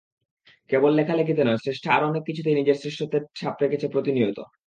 কেবল লেখালেখিতে নয়, শ্রেষ্ঠা আরও অনেক কিছুতেই নিজের শ্রেষ্ঠত্বের ছাপ রাখছে প্রতিনিয়ত।